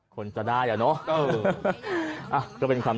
คนจะได้อะเนาะ